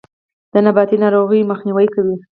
د نباتي ناروغیو مخنیوی کوي.